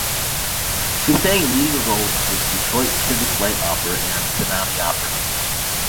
She sang leading roles with the Detroit Civic Light Opera and the Cincinnati Opera.